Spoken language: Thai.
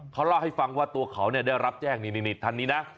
เขาเล่าให้ฟังว่าตัวเขาได้รับแจ้งนี่ท่านนี้นะ